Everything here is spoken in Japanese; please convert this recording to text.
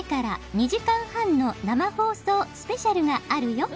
「２時間半の生放送スペシャルがあるよ」